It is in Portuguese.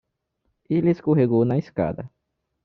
Ele escorregou na escada.